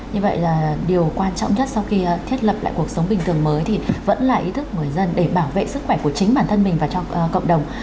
như vậy là điều quan trọng nhất sau khi thiết lập lại cuộc sống bình thường mới thì vẫn là ý thức của người dân để bảo vệ sức khỏe của chính bản thân mình và cho cộng đồng